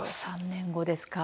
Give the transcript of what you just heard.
３年後ですか。